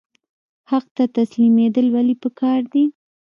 حق ته تسلیمیدل ولې پکار دي؟